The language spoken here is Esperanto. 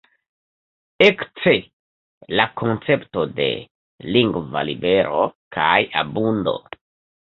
Ekce la koncepto de lingva libero kaj abundo.